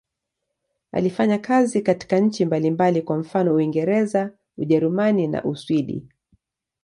Alifanya kazi katika nchi mbalimbali, kwa mfano Uingereza, Ujerumani na Uswidi.